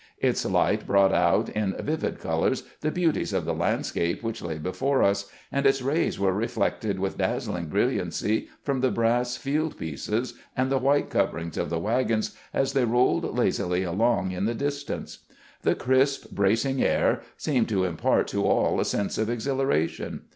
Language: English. Its light brought out in vivid colors the beauties of the landscape which lay before us, and its rays were reflected with dazzling brilhancy from the brass field pieces and the white covers of the wagons as they rolled lazily along in the distance. The crisp, bracing air seemed to impart to all a sense of exhilaration.